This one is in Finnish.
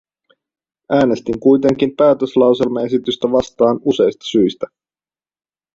Äänestin kuitenkin päätöslauselmaesitystä vastaan useista syistä.